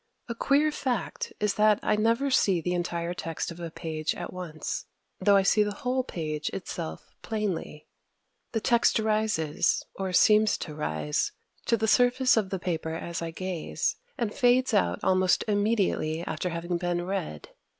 A queer fact is that I never see the entire text of a page at once, though I see the whole page itself plainly. The text rises, or seems to rise, to the surface of the paper as I gaze, and fades out almost immediately after having been read.